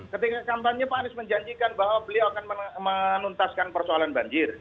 ketika kampanye pak anies menjanjikan bahwa beliau akan menuntaskan persoalan banjir